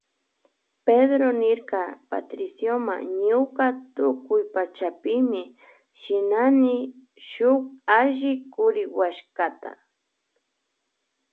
Pedró niyrka Patricio ñuka tukuypachami shinani shuk alli kuriwallkata.